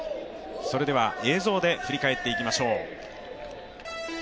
映像で振り返っていきましょう。